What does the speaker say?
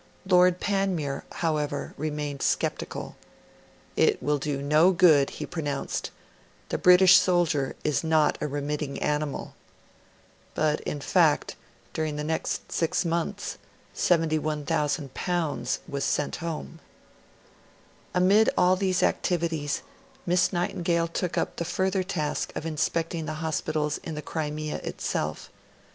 Lord Panmure, however, remained sceptical; 'it will do no good,' he pronounced; 'the British soldier is not a remitting animal.' But, in fact during the next six months L71,000 was sent home. Amid all these activities, Miss Nightingale took up the further task of inspecting the hospitals in the Crimea itself.